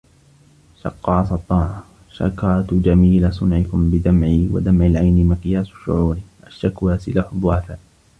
شق عصا الطاعة شكرت جميل صنعكم بدمعي ودمع العين مقياس الشعور الشكوى سلاح الضعفاء